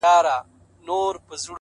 هوښیار انتخاب د سبا بار سپکوي’